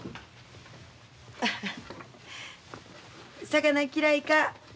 魚嫌いか？